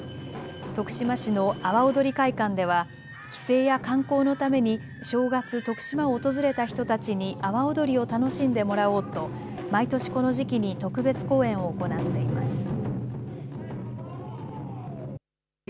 徳島市の阿波おどり会館では帰省や観光のために正月、徳島を訪れた人たちに阿波おどりを楽しんでもらおうと毎年この時期に特別公演を行っています。